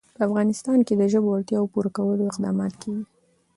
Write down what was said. په افغانستان کې د ژبو اړتیاوو پوره کولو اقدامات کېږي.